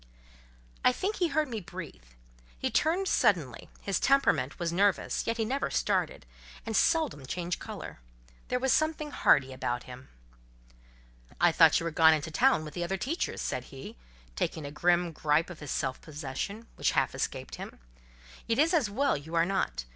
I think he heard me breathe. He turned suddenly: his temperament was nervous, yet he never started, and seldom changed colour: there was something hardy about him. "I thought you were gone into town with the other teachers," said he, taking a grim gripe of his self possession, which half escaped him—"It is as well you are not.